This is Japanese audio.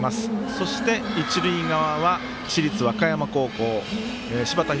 そして、一塁側は市立和歌山高校柴田拡